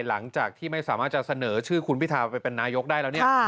หลังจากที่ไม่สามารถจะเสนอชื่อคุณพิทาไปเป็นนายกได้แล้วเนี่ย